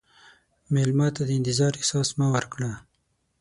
مېلمه ته د انتظار احساس مه ورکړه.